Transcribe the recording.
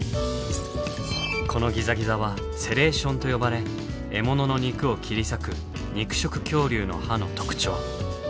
このギザギザは「セレーション」と呼ばれ獲物の肉を切り裂く肉食恐竜の歯の特徴。